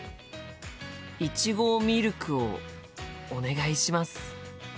いちごミルクをお願いします。